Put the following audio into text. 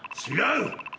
違う！